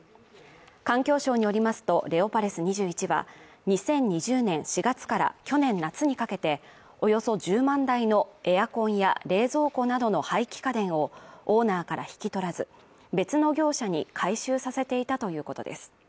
環境省によりますと、レオパレス２１は２０２０年４月から去年夏にかけておよそ１０万台のエアコンや冷蔵庫などの廃棄家電をオーナーから引き取らず、別の業者に回収させていたということです。